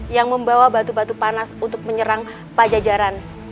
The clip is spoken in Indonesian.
yang membawa batu batu panas untuk menyerang pajajaran